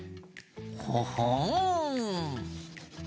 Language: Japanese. ほほん。